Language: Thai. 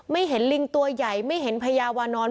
ไม่เห็นลิงตัวใหญ่ไม่เห็นพญาวานอน